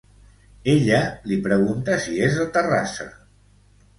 Ella li pregunta si és de Terrassa?